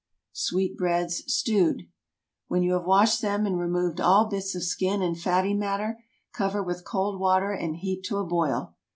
SWEET BREADS (Stewed.) ✠ When you have washed them, and removed all bits of skin and fatty matter, cover with cold water, and heat to a boil.